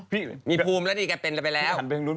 พี่มีภูมิแล้วดีแกเป็นกันไปแล้ว